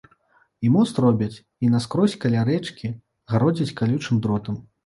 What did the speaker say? І мост робяць, і наскрозь каля рэчкі гародзяць калючым дротам.